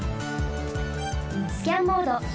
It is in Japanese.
スキャンモード